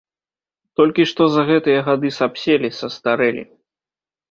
Толькі што за гэтыя гады сапселі, састарэлі.